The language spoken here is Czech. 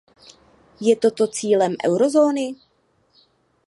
Je toto cílem eurozóny?